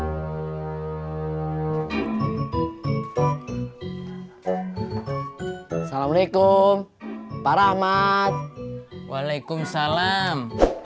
assalamualaikum para ahmad waalaikumsalam